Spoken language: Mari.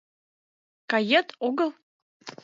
— Кает, огыт?